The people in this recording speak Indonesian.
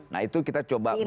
nah itu kita coba